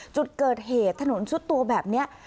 จุดเกิดเหตุถนนซุดตัวแบบนี้